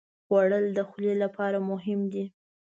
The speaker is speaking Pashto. خوړل د خولې لپاره مهم دي